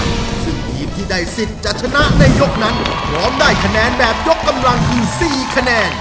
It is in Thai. ซึ่งทีมที่ได้สิทธิ์จะชนะในยกนั้นพร้อมได้คะแนนแบบยกกำลังคือสี่คะแนน